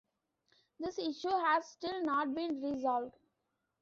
This issue has still not been resolved.